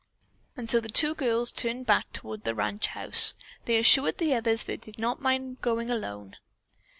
And so the two girls turned back toward the ranch house. They assured the others that they did not mind going alone.